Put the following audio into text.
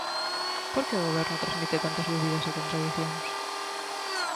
Por que o Goberno transmite tantas dúbidas e contradicións?